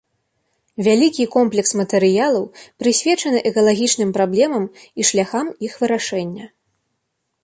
Вялікі комплекс матэрыялаў прысвечаны экалагічным праблемам і шляхам іх вырашэння.